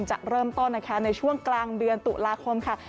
จะเริ่มต้นนะคะในช่วงกลางเดือนตุลาคมค่ะ